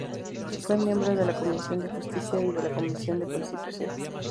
Fue miembro de la Comisión de Justicia y de la Comisión de Constitución.